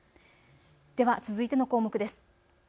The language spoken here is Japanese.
では続いての項目です。